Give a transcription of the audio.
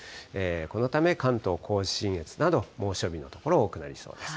このため、関東甲信越など、猛暑日の所多くなりそうです。